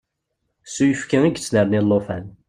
S uyefki i yettnerni llufan.